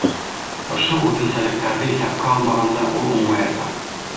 Ошо үҙенсәлектәрҙе иҫәпкә алмағанда, ул уңмаясаҡ.